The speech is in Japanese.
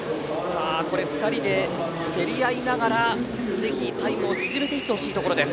２人で競り合いながらタイムを縮めていってほしいです。